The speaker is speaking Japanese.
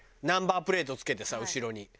ナンバープレート付けてさ後ろに。